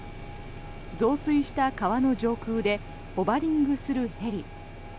増水した川の上空でホバリングするヘリ。